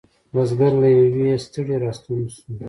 بزگر له یویې ستړی را ستون شو.